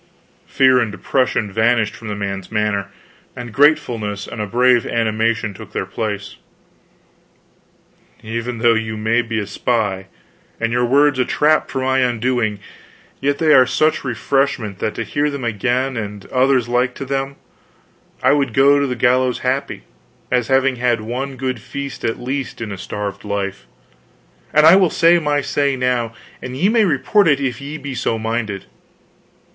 Fear and depression vanished from the man's manner, and gratefulness and a brave animation took their place: "Even though you be a spy, and your words a trap for my undoing, yet are they such refreshment that to hear them again and others like to them, I would go to the gallows happy, as having had one good feast at least in a starved life. And I will say my say now, and ye may report it if ye be so minded.